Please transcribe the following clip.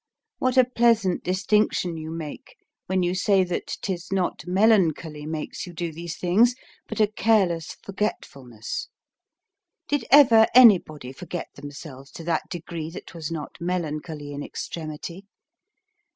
What a pleasant distinction you make when you say that 'tis not melancholy makes you do these things, but a careless forgetfulness. Did ever anybody forget themselves to that degree that was not melancholy in extremity?